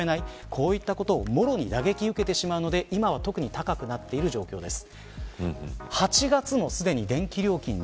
こういったことをもろに打撃を受けてしまうので今は特に高くなっている状況です。